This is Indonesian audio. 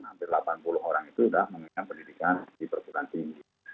hampir delapan puluh orang itu sudah memiliki pendidikan di perguruan tinggi